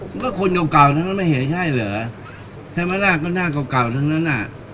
มันก็คนเก่าทั้งนั้นไม่เห็นใช่เหรอใช้มาหน้าก็หน้าเก่าทั้งนั้นน่ะ